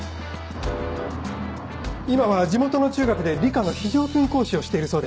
今は地元の中学で理科の非常勤講師をしているそうで。